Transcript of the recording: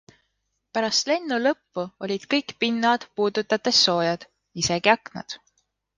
Pärast lennu lõppu olid kõik pinnad puudutades soojad, isegi aknad.